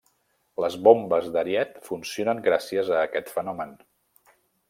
Les bombes d'ariet funcionen gràcies a aquest fenomen.